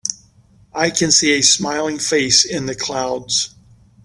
I can see a smiling face in the clouds.